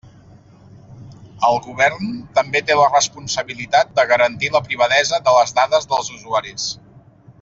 El govern també té la responsabilitat de garantir la privadesa de les dades dels usuaris.